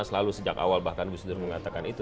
selalu sejak awal bahkan bu sudir mengatakan itu